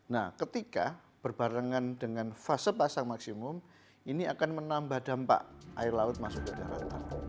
nah ketika berbarengan dengan fase pasang maksimum ini akan menambah dampak air laut masuk ke daratan